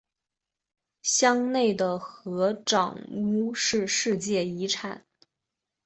乡内的合掌屋是世界遗产。